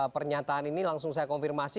pernyataan ini langsung saya konfirmasi